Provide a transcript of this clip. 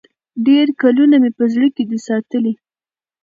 ډېر کلونه مي په زړه کي دی ساتلی